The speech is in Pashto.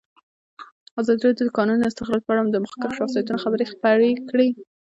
ازادي راډیو د د کانونو استخراج په اړه د مخکښو شخصیتونو خبرې خپرې کړي.